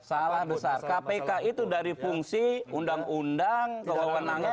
salah besar kpk itu dari fungsi undang undang kewenangan